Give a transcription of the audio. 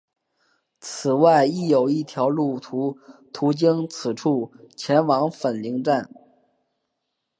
此外亦有一条路线途经此处前往粉岭站。